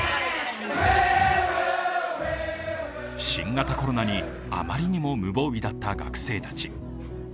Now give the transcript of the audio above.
新型コロナにあまりにも無防備だった学生たち。